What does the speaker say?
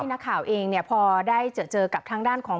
นักข่าวเองเนี่ยพอได้เจอกับทางด้านของ